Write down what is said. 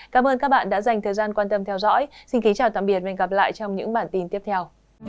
cảm ơn các bạn đã dành thời gian quan tâm theo dõi xin kính chào tạm biệt và hẹn gặp lại trong những bản tin tiếp theo